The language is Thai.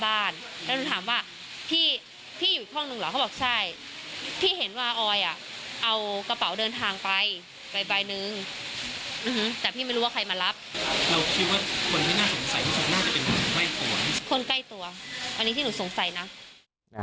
คนใกล้ตัวอันนี้ที่หนูสงสัยนะ